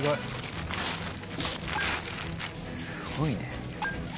すごいね。